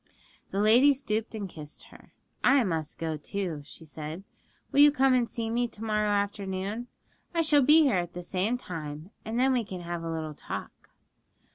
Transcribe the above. The lady stooped and kissed her. 'I must go too,' she said; 'will you come and see me to morrow afternoon? I shall be here at the same time, and then we can have a little talk.'